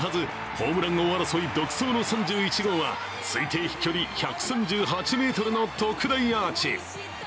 ホームラン王争い独走の３１号は推定飛距離１３８ｍの特大アーチ。